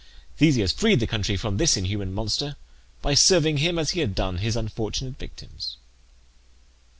Theseus freed the country from this inhuman monster by serving him as he had done his unfortunate victims.